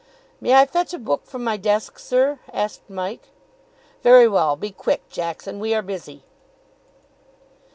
"May I fetch a book from my desk, sir?" asked Mike. "Very well be quick, Jackson; we are busy."